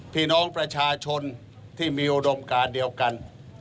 พี่น้องประชาชนที่มีอุดมการเดียวกัน